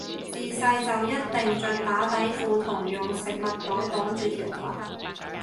自細就一定着打底褲同用食物袋擋住條裙